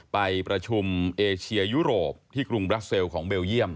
ไปประชุมเอเชียยุโรปที่กรุงบราเซลของเบลเยี่ยม